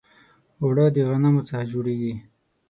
اوړه د غنمو څخه جوړیږي